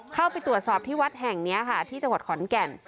เข้าไปตรวจสอบที่วัดแห่งนี้ค่ะที่จังหวัดขอนแก่น